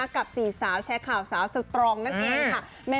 กับ๔สาวแชร์ข่าวสาวสตรองนั่นเองค่ะ